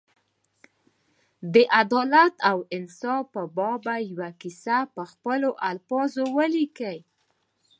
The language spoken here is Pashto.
د عدالت او انصاف په باب یوه کیسه په خپلو الفاظو ولیکي.